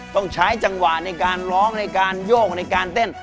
ต้องใช้จังหวะในการร้องในการโยกในการเต้น